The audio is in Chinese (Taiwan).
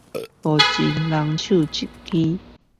目前人手一機